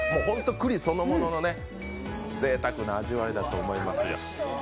栗そのもののぜいたくな味わいだと思いますよ。